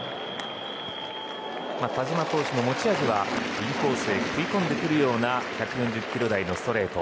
田嶋投手の持ち味はインコースへ食い込んでくるような１４０キロ台のストレート。